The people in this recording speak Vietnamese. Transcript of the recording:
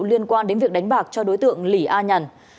liên quan đến việc đánh bạc cho đối tượng lỷ a nhằn